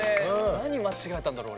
何間違えたんだろう？